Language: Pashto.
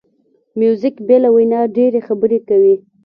موزیک بې له وینا ډېری خبرې کوي.